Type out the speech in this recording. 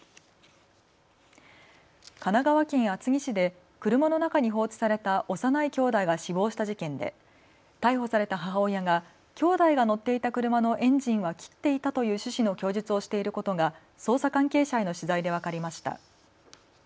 神奈川県厚木市で車の中に放置された幼いきょうだいが死亡した事件で逮捕された母親がきょうだいが乗っていた車のエンジンは切っていたという趣旨の供述をしていることが捜査関係者への取材で分かりました。